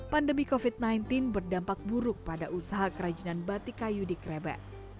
pandemi covid sembilan belas berdampak buruk pada usaha kerajinan batik kayu di krebet